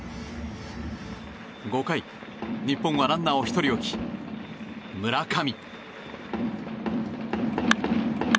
５回、日本はランナーを１人置き村上。